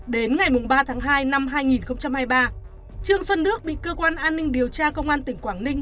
đến ngày ba tháng hai năm hai nghìn hai mươi ba trương xuân đức bị cơ quan an ninh điều tra công an tỉnh quảng ninh